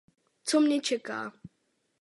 Co mne čeká.